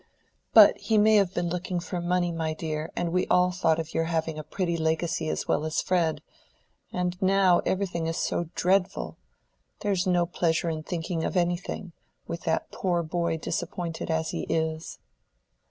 "But he may have been looking for money, my dear, and we all thought of your having a pretty legacy as well as Fred;—and now everything is so dreadful—there's no pleasure in thinking of anything, with that poor boy disappointed as he is."